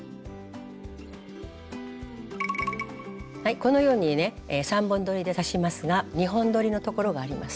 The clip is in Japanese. このようにね３本どりで刺しますが２本どりのところがあります。